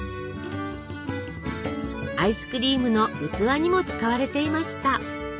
アイスクリームの器にも使われていました。